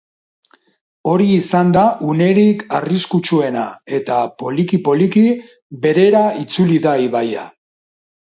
Hori izan da unerik arriskutsuena, eta poliki-poliki berera itzuli da ibaia.